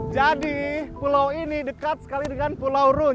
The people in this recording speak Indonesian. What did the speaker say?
jadi pulau ini dekat sekali dengan pulau run